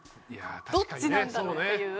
どっちなんだろう？っていう。